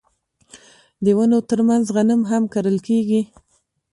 د ونو ترمنځ غنم هم کرل کیږي.